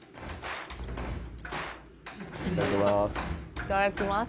いただきます。